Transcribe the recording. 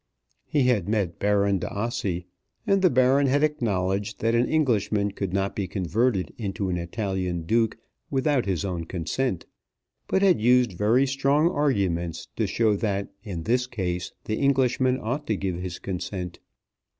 He had met Baron D'Ossi, and the Baron had acknowledged that an Englishman could not be converted into an Italian Duke without his own consent, but had used very strong arguments to show that in this case the Englishman ought to give his consent.